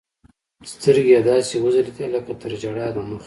سترګې يې داسې وځلېدې لكه تر ژړا د مخه.